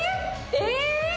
えっ！？